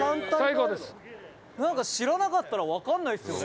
宮田：知らなかったらわからないですよね。